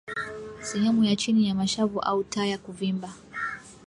Sehemu ya chini ya Mashavu au Taya kuvimba